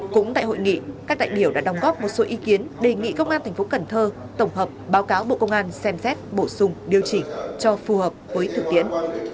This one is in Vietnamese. cũng tại hội nghị các đại biểu đã đồng góp một số ý kiến đề nghị công an tp cần thơ tổng hợp báo cáo bộ công an xem xét bổ sung điều chỉnh cho phù hợp với thực tiễn